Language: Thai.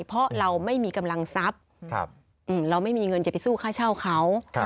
เพราะเราไม่มีกำลังทรัพย์เราไม่มีเงินจะไปสู้ค่าเช่าเขา